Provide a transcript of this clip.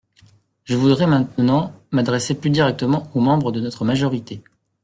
Je voudrais maintenant m’adresser plus directement aux membres de notre majorité.